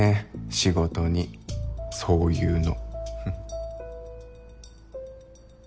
仕事にそういうのふふっ。